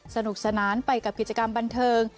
สนุกสนานไปกับกิจกรรมบันเทิง